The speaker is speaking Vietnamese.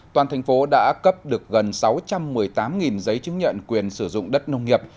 toàn thành phố đã cấp được gần sáu trăm một mươi tám giấy chứng nhận quyền sử dụng đất nông nghiệp